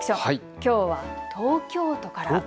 きょうは東京都から。